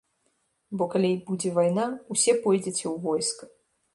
Бо калі будзе вайна, усе пойдзеце ў войска.